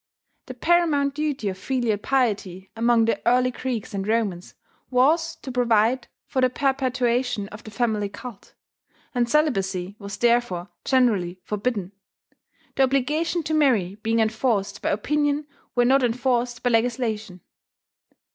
The paramount duty of filial piety among the early Greeks and Romans was to provide for the perpetuation of the family cult; and celibacy was therefore generally forbidden, the obligation to marry being enforced by opinion where not enforced by legislation.